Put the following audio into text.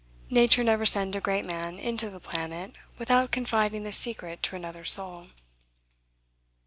Nature never sends a great man into the planet, without confiding the secret to another soul.